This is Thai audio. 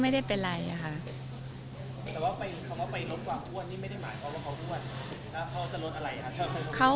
แต่ว่าไปลดความอ้วนนี่ไม่ได้หมายความว่าเขาอ้วน